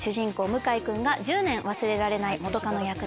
向井君が１０年忘れられない元カノ役です。